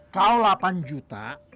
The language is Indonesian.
kau lapan juta